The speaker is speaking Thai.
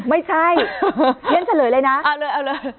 ไม่ใช่เรียนเฉลยเลยนะเอาเลยเอาเลย